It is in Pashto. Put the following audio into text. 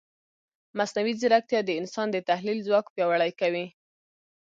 مصنوعي ځیرکتیا د انسان د تحلیل ځواک پیاوړی کوي.